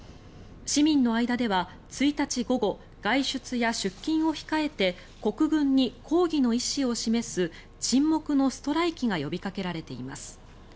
市民の間では１日午後外出や出勤を控えて国軍に抗議の意思を示す沈黙のストライキが呼びかけられています。